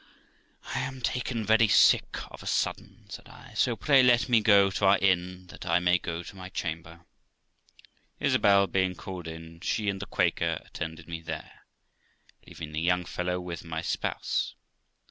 'I am taken very sick of a sudden', said I; 'so pray let me go to our inn that I may go to my chamber.' Isabel being called in, she and the Quaker attended me there, leaving the young fellow with my spouse.